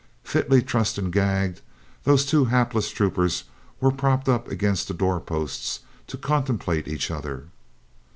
Fitly trussed and gagged, those two hapless troopers were propped up against the door posts to contemplate each other.